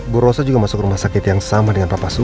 bu rosa juga masuk rumah sakit yang sama dengan papasu